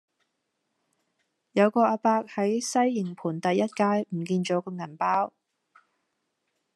有個亞伯喺西營盤第一街唔見左個銀包